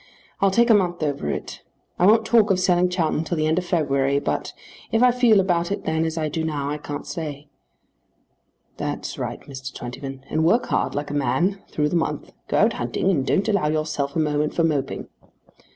I'll take a month over it. I won't talk of selling Chowton till the end of February; but if I feel about it then as I do now I can't stay." "That's right, Mr. Twentyman; and work hard, like a man, through the month. Go out hunting, and don't allow yourself a moment for moping."